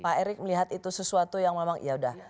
pak erick melihat itu sesuatu yang memang yaudah